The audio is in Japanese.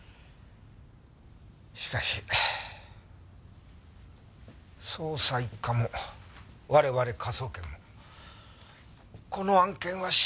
しかし捜査一課も我々科捜研もこの案件は慎重に。